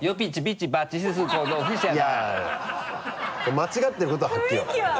間違ってることははっきり分かる。